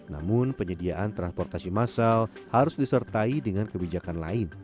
namun penyediaan transportasi massal harus disertai dengan kebijakan lain